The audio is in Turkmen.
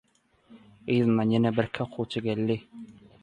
Yzyndan ýene bir iki okuwçy geldi.